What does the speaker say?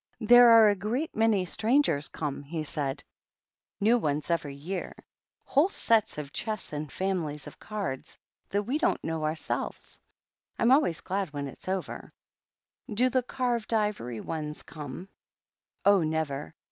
" There are a great many strangers come," he said ;" new ones every year ; whole sets of chess and families of cards that we don't know ourselves. I'm always glad when it's over." "Do the carved ivory ones come?" "Oh, never!